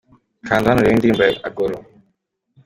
Kanda hano urebe indirimbo ye Agoro